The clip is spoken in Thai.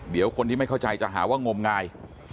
เดี๋ยวคนที่ไม่เข้าใจจะหาว่างมงาย